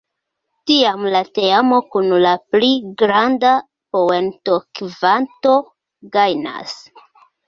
Tiam la teamo kun la pli granda poentokvanto gajnas.